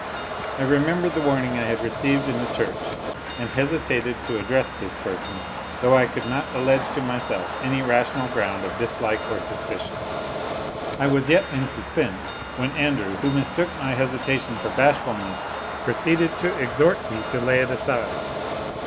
I remembered the warning I had received in the church, and hesitated to address this person, though I could not allege to myself any rational ground of dislike or suspicion. I was yet in suspense, when Andrew, who mistook my hesitation for bashfulness, proceeded to exhort me to lay it aside.